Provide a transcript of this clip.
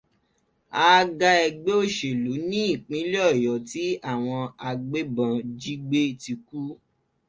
Aága ẹgbẹ́ òṣèlú ní ìpínlẹ̀ Ọ̀yọ́ tí àwọn agbébọn jí gbé ti kú.